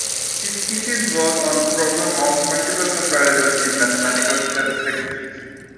His thesis was on a problem of multiple comparisons in mathematical statistics.